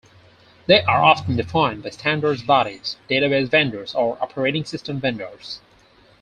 They are often defined by standards bodies, database vendors or operating system vendors.